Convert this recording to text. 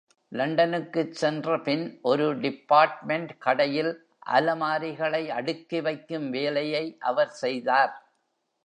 லண்டனுக்குச் சென்றபின், ஒரு டிபார்ட்மென்ட் கடையில் அலமாரிகளை அடுக்கி வைக்கும் வேலையை அவர் செய்தார்.